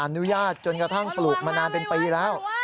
อนุญาตจนกระทั่งปลูกมานานเป็นปีแล้ว